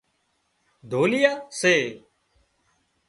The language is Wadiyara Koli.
ڍوليئا سي